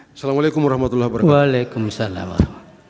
assalamu alaikum warahmatullah wabarakatuh